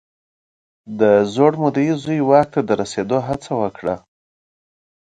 د زوړ مدعي زوی واک ته د رسېدو هڅه وکړه.